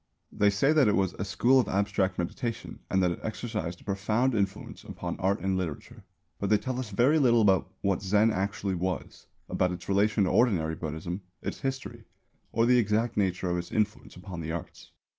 They say that it was a "school of abstract meditation" and that it exercised a profound influence upon art and literature; but they tell us very little about what Zen actually was, about its relation to ordinary Buddhism, its history, or the exact nature of its influence upon the arts.